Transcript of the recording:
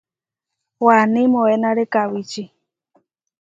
Waní moʼénare kawíči.